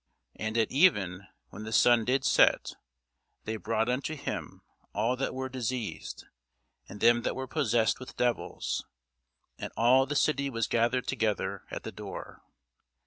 And at even, when the sun did set, they brought unto him all that were diseased, and them that were possessed with devils. And all the city was gathered together at the door.